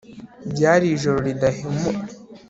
Byari ijoro ridahumeka